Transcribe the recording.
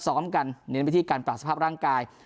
ซ้อมกันเน้นไปที่การปรับสภาพร่างกาย